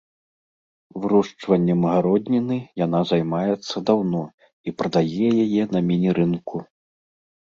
Вырошчваннем гародніны яна займаецца даўно і прадае яе на міні-рынку.